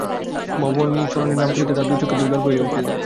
ভবানীচরণের নাম করিতে তাঁহার দুই চক্ষে জল ভরিয়া উঠিত।